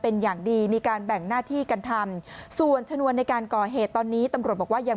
เป็นอย่างดีมีการแบ่งหน้าที่กันทำส่วนชนวนในการก่อเหตุตอนนี้ตำรวจบอกว่ายัง